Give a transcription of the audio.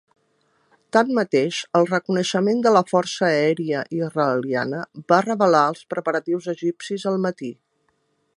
Tanmateix, el reconeixement de la Força Aèria Israeliana va revelar els preparatius egipcis al matí.